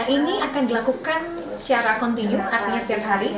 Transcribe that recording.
ini akan dilakukan secara kontinu artinya setiap hari